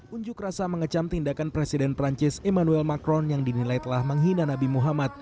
unjuk rasa mengecam tindakan presiden perancis emmanuel macron yang dinilai telah menghina nabi muhammad